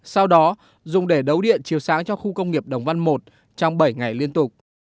sau đó dùng để đấu điện chiếu sáng cho khu công nghiệp đồng văn i trong bảy ngày liên tục